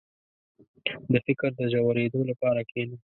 • د فکر د ژورېدو لپاره کښېنه.